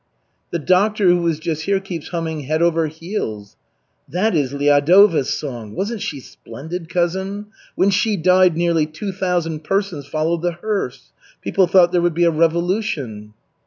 "The doctor who was just here keeps humming 'Head over heels.'" "That is Lyadova's song. Wasn't she splendid, cousin? When she died, nearly two thousand persons followed the hearse. People thought there would be a revolution."